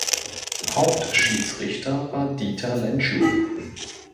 Hauptschiedsrichter war Dieter Lentschu.